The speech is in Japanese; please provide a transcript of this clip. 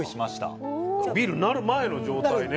ビールになる前の状態ね。